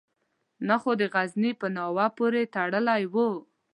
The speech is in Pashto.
نه خو د غزني په ناوه پورې تړلی وو.